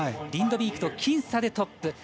リンドビークと僅差でトップ。